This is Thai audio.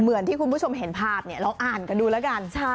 เหมือนที่คุณผู้ชมเห็นภาพเนี่ยลองอ่านกันดูแล้วกัน